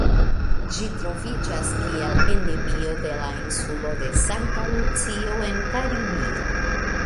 Ĝi troviĝas kiel endemio de la insulo de Sankta Lucio en Karibio.